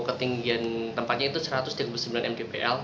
ketinggian tempatnya itu satu ratus tiga puluh sembilan mgpl